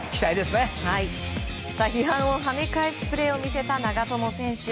批判を跳ね返すプレーを見せた長友選手。